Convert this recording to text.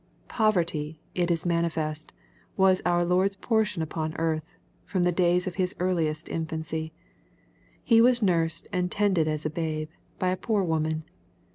Poverty, it is manifest, was our Lord's portion upon earth, from the days of His earliest infancy. He was nursed and tended as a babe, by a poor woman.